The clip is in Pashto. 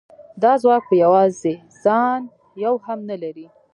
دا ځواک په یوازې ځان یو هم نه لري